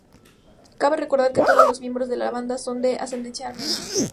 Cabe recordar que todos los miembros de la banda son de ascendencia armenia.